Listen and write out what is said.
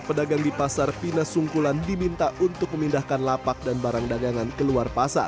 pedagang di pasar pina sungkulan diminta untuk memindahkan lapak dan barang dagangan keluar pasar